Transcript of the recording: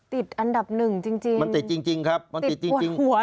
ติดอันดับหนึ่งจริงติดปวดหัวเลยมันติดจริงครับ